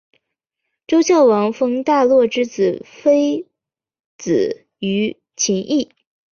周孝王封大骆之子非子于秦邑。